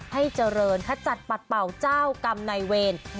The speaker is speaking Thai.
ให้เจริญขจัดปัดเป่าเจ้ากรรมในเวร